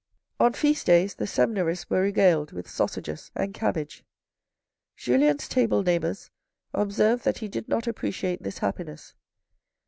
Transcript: On feast days, the seminarists were regaled with sausages and cabbage. Julien's table neighbours observed that he did not appreciate this happiness.